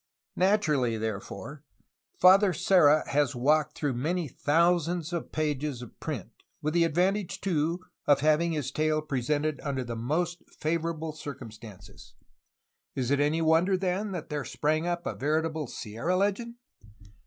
Naturally, therefore, Father Serra has walked through many thousand pages of print, with the advantage, too, of having his tale presented under the most favorable cir cumstances. Is it any wonder, then, that there sprang up a veritable *'Serra legend?''